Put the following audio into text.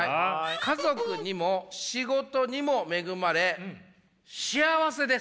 「家族にも仕事にも恵まれ幸せです」。